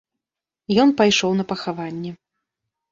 Ён пайшоў на пахаванне.